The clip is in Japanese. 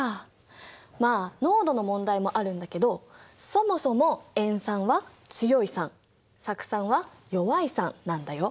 まあ濃度の問題もあるんだけどそもそも塩酸は強い酸酢酸は弱い酸なんだよ。